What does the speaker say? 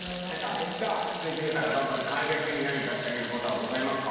さあ関根さん頑張る楓君に何かしてあげることはございますか？